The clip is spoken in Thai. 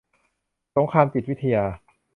สงครามจิตวิทยา